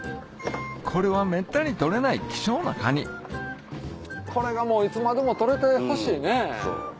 これはめったに取れない希少なカニこれがもういつまでも取れてほしいね。